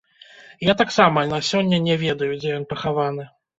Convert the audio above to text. Я таксама на сёння не ведаю, дзе ён пахаваны.